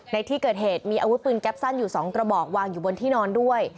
ในที่เกิดเหตุมีอาวุธปืนแก๊ปสั้นอยู่๒กระบอกวางอยู่บนที่นอนด้วย